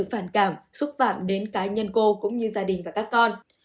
phản cảm xúc phạm đến cá nhân cô cũng như gia đình và các con